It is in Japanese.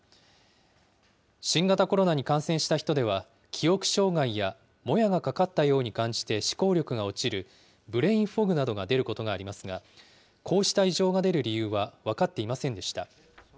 新型コロナに感染した人では、記憶障害やもやがかかったように感じて思考力が落ちる、ブレインフォグなどが出ることがありますが、こうした異常が出る理由は分かっていませんでした。